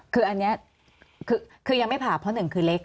คืออันนี้คือยังไม่ผ่าเพราะหนึ่งคือเล็ก